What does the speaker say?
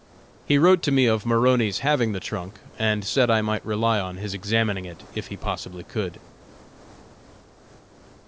He wrote to me of Maroney's having the trunk, and said I might rely on his examining it if he possibly could.